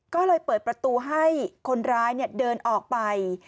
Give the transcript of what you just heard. ก็เลยเปิดประตูให้คนร้ายเดินออกไป